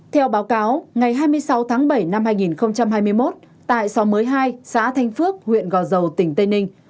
theo báo cáo ngày hai mươi sáu tháng bảy năm hai nghìn hai mươi một tại xóm mới hai xã thanh phước huyện gò dầu tỉnh tây ninh